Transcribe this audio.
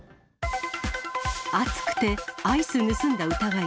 暑くて、アイス盗んだ疑い。